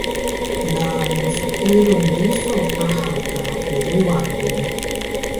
Ga msterung riso daha ka weewa ge